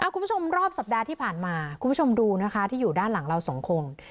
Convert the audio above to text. คุณผู้ชมรอบสัปดาห์ที่ผ่านมาคุณผู้ชมดูนะคะที่อยู่ด้านหลังเราสองคน